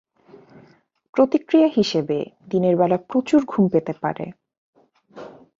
প্রতিক্রিয়া হিসেবে দিনের বেলা প্রচুর ঘুম পেতে পারে।